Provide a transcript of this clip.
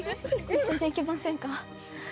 一緒に行きませんか？